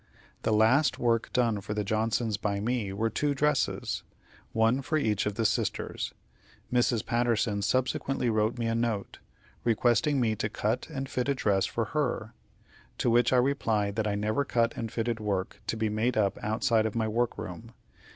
The last work done for the Johnsons by me were two dresses, one for each of the sisters. Mrs. Patterson subsequently wrote me a note, requesting me to cut and fit a dress for her; to which I replied that I never cut and fitted work to be made up outside of my work room.